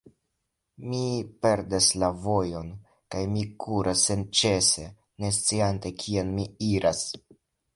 Mi perdas la vojon, kaj mi kuras senĉese, ne sciante, kien mi iras.